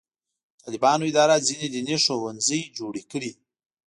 د طالبانو اداره ځینې دیني ښوونځي جوړ کړي.